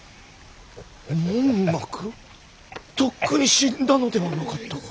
文覚とっくに死んだのではなかったか。